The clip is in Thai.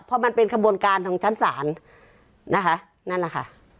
เพราะมันเป็นขบวนการของชั้นศาลนะคะนั่นแหละค่ะ